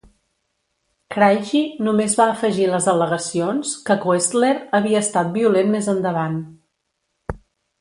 Craigie només va afegir les al·legacions que Koestler havia estat violent més endavant.